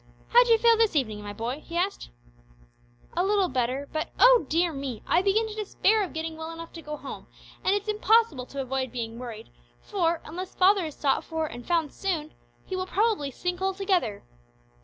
"How d'you feel this evening, my boy?" he asked. "A little better, but oh dear me! I begin to despair of getting well enough to go home, and it's impossible to avoid being worried, for, unless father is sought for and found soon he, will probably sink altogether.